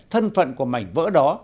thân phận của mảnh vỡ đó